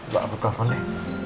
bapak telepon deh